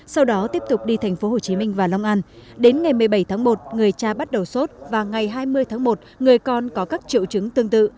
sau đó tiếp tục đi tp hcm và long an đến ngày một mươi bảy tháng một người cha bắt đầu sốt và ngày hai mươi tháng một người con có các triệu chứng tương tự